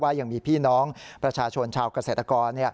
ว่ายังมีพี่น้องประชาชนชาวกระเศรษฐกร